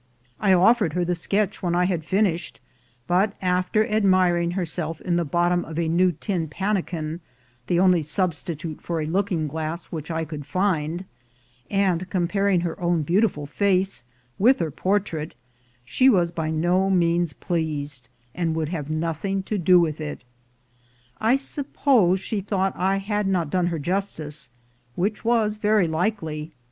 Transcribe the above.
I offered her the sketch when I had finished, but after ad miring herself in the bottom of a new tin pannikin, the only substitute for a looking glass which I could find, and comparing her own beautiful face with her portrait, she was by no means pleased, and would have nothing to do with it. I suppose she thought I had not done her justice; which was very likely, for 134.